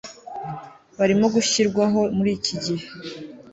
barimo gushyirwaho muri iki gihe